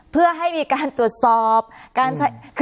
เพื่อให้มีการตรวจสอบการใช้